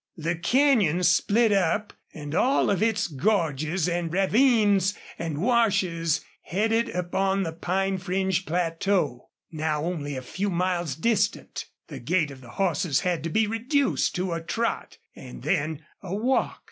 The canyon split up and all of its gorges and ravines and washes headed upon the pine fringed plateau, now only a few miles distant. The gait of the horses had to be reduced to a trot, and then a walk.